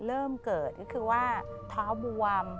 เริ่มเกิดก็คือว่าเท้าบวม